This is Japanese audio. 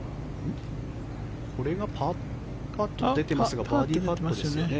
これがパーと出てますがバーディーパットですよね？